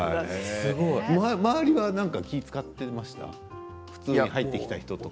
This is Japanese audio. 周りは気を遣っていましたか。